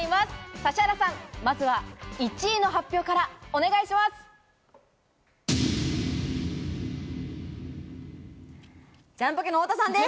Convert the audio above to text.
指原さん、まずは１位の発表からお願いします。